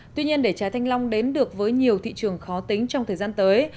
tuy nhiên để trái thanh long đến được với nhiều thị trường khó tính trong thời gian tới